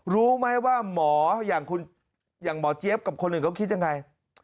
รู้ไหมว่าหมออย่างหมอเจี๊ยบกับคนอื่นเขาคิดยังไง